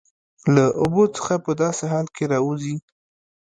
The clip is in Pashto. له اوبو څخه په داسې حال کې راوځي